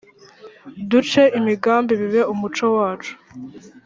Ducure imigambi bibe umuco wacu